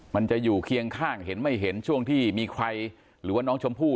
มันจะอยู่เคียงข้างเห็นไม่เห็นช่วงที่มีใครหรือว่าน้องชมพู่